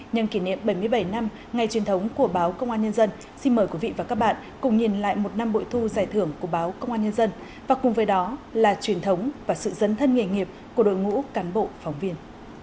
nhân kỷ niệm bảy mươi bảy năm ngày truyền thống của báo công an nhân dân xin mời quý vị và các bạn cùng nhìn lại một năm bội thu giải thưởng của báo công an nhân dân và cùng với đó là truyền thống và sự dấn thân nghề nghiệp của đội ngũ cán bộ phóng viên